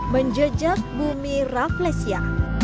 menjejak bumi rafflesia